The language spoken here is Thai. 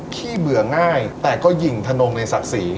ขี้เบื่อง่ายแต่ก็หญิงธนงในศักดิ์ศรี